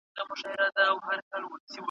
تاریخ د هر قوم د هویت ښکارندوی وي.